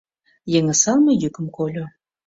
Йыҥысалме йӱкым кольо...